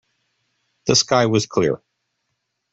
The sky was clear.